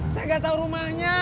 saya nggak tau rumahnya